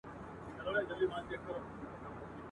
د ده ټول ښکلي ملګري یو په یو دي کوچېدلي ..